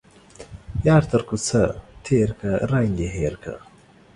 يار تر کوڅه تيرکه ، رنگ يې هير که.